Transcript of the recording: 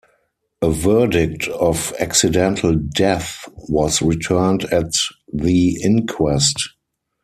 A verdict of accidental death was returned at the inquest.